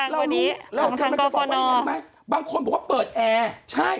เราก็เปิดแบบนี้